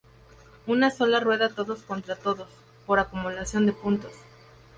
Una sola rueda todos contra todos, por acumulación de puntos.